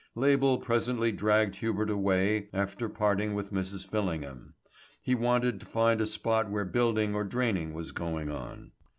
Label presently dragged Hubert away after parting with Mrs. Fillingham. He wanted to find a spot where building or draining was going on.